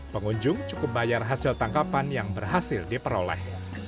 pengunjung cukup bayar hasil tangkapan yang berhasil diperoleh